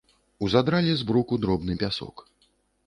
Узадралі з бруку дробны пясок.